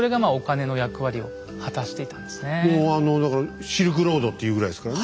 もうあのだから「シルクロード」と言うぐらいですからね。